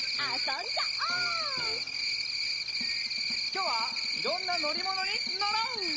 きょうはいろんなのりものにのろう！